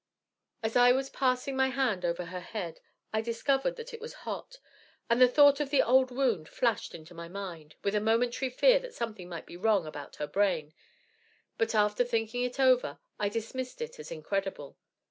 As I was passing my hand over her head, I discovered that it was hot, and the thought of the old wound flashed into my mind, with a momentary fear that something might be wrong about her brain, but after thinking it over I dismissed it as incredible.